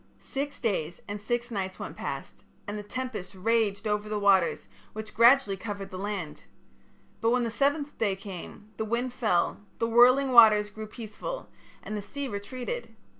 "Six days and six nights went past, and the tempest raged over the waters which gradually covered the land. But when the seventh day came, the wind fell, the whirling waters grew peaceful, and the sea retreated.